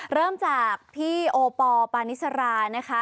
เริ่มจากพี่โอปอลปานิสรานะคะ